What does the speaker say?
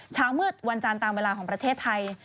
เช้ามืดวันจันทร์ตามเวลาของประเทศไทย